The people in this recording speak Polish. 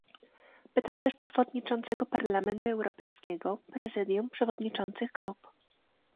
Pytam też przewodniczącego Parlamentu Europejskiego, Prezydium, przewodniczących grup